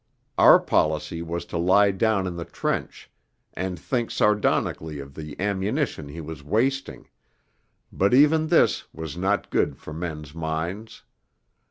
Our policy was to lie down in the trench, and think sardonically of the ammunition he was wasting; but even this was not good for men's minds.